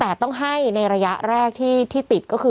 เพื่อไม่ให้เชื้อมันกระจายหรือว่าขยายตัวเพิ่มมากขึ้น